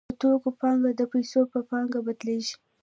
د توکو پانګه د پیسو په پانګه بدلېږي